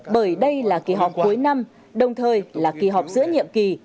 bởi đây là kỳ họp cuối năm đồng thời là kỳ họp giữa nhiệm kỳ